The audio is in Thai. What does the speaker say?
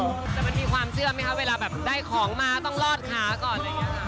มันมีความเชื่อมไหมคะเวลาแบบได้ของมาต้องรอดค้าก่อน